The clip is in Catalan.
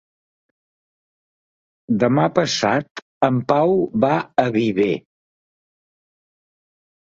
Demà passat en Pau va a Viver.